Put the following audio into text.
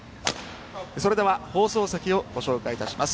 それでは放送席をご紹介いたします。